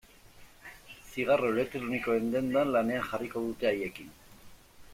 Zigarro elektronikoen dendan lanean jarriko dute haiekin.